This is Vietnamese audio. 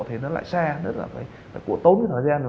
thì nó lại xa nó lại phải tốn thời gian